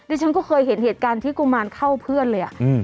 ฉันก็เคยเห็นเหตุการณ์ที่กุมารเข้าเพื่อนเลย